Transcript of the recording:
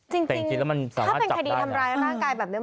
จริงถ้าเป็นคดีทำร้ายร่างร่างกายแบบนี้